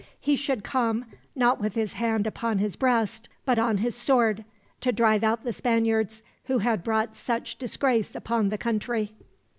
He should come, not with his hand upon his breast but on his sword, to drive out the Spaniards, who had brought such disgrace upon the country."